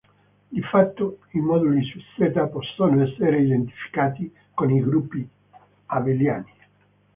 Di fatto, i moduli su Z possono essere identificati con i gruppi abeliani.